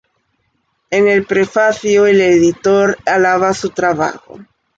En el prefacio, el editor alaba su trabajo.